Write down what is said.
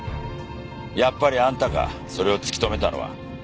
やっぱりあんたかそれを突き止めたのは。